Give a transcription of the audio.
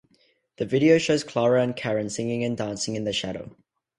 The video shows Clara and Karen singing and dancing in the shadow.